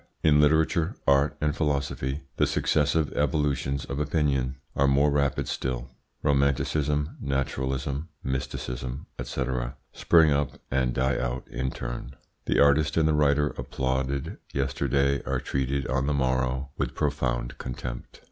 In literature, art, and philosophy the successive evolutions of opinion are more rapid still. Romanticism, naturalism, mysticism, &c., spring up and die out in turn. The artist and the writer applauded yesterday are treated on the morrow with profound contempt.